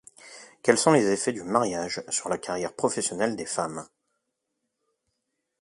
Quels sont les effets du mariage sur la carrière professionnelle des femmes?